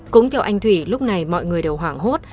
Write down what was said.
cũng theo anh thủy lúc này mọi người đều hoảng hốt